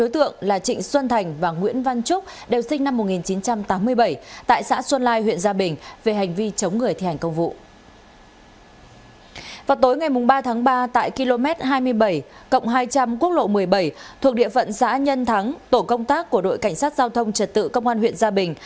tổ phận xã nhân thắng tổ công tác của đội cảnh sát giao thông trật tự công an huyện gia bình